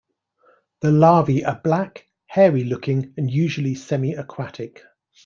The larvae are black, hairy-looking, and usually semiaquatic.